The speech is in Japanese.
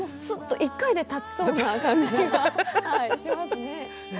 １回で立ちそうな感じがしますね。